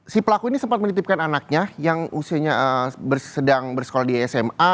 si pelaku ini sempat menitipkan anaknya yang usianya sedang bersekolah di sma